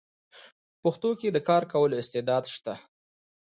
پښتو کې د کار کولو استعداد شته: